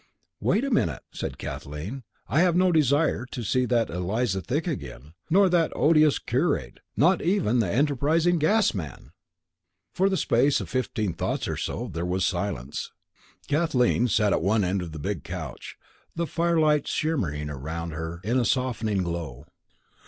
"Wait a minute," said Kathleen. "I have no desire to see that Eliza Thick again, nor that odious curate not even the enterprising gas man!" For the space of fifteen thoughts or so there was silence. Kathleen sat at one end of the big couch, the firelight shimmering round her in a softening glow.